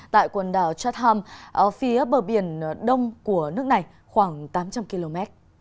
tại quần đảo chatham phía bờ biển đông của nước này khoảng tám trăm linh km